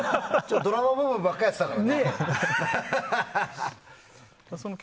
ドラマ部分ばっかりやってたから。